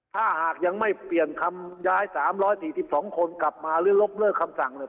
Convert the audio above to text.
ถ้าหากยังไม่เปลี่ยนคำย้าย๓๔๒คนกลับมาหรือลบเลิกคำสั่งเลย